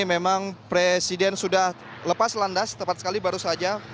memang presiden sudah lepas landas tepat sekali baru saja